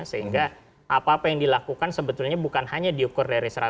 sehingga apa apa yang dilakukan sebetulnya bukan hanya diukur dari seratus